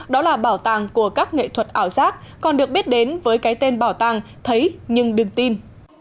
đó là bảo tàng của các nghệ thuật ảo giác còn được biết đến với cái tên bảo tàng thấy nhưng đừng tin